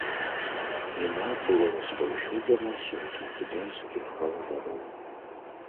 Імя было распаўсюджана сярод македонскіх валадароў.